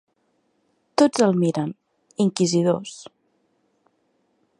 Tots el miren, inquisidors.